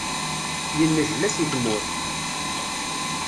Yennejla seg tmurt.